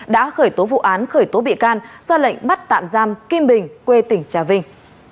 đã khởi tố vụ án khởi tố bị can ra lệnh bắt tạm giam kim bình quê tỉnh trà vinh